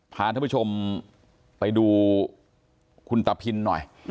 พาท่านผู้ชมไปดูคุณตาพินหน่อย